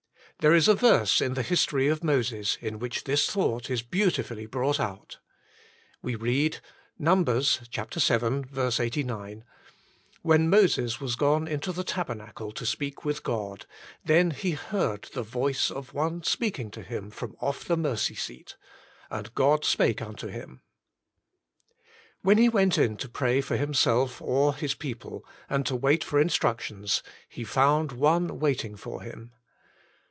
There is a verse in the history of Moses, in which this thought is beau tifully brought out. We read, Numbers vii, 89, "When Moses Was Gone into the Taber nacle TO Speak with God, then He Heard the Voice or One Speaking to Him from off the Mercy Seat : and God Spake unto Him.'' When he went in to pray for himself or his people, and to wait for instructions, he found One waiting for him.